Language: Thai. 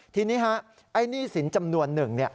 ทีนี้ฮะไอ้หนี้สินจำนวนหนึ่ง